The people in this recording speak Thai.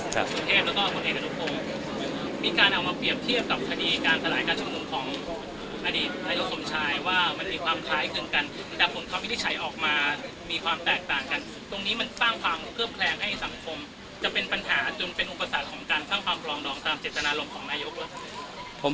สิทธินารมณ์ของนายยกแล้วครับ